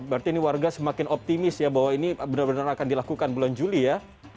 berarti ini warga semakin optimis ya bahwa ini benar benar akan dilakukan bulan juli ya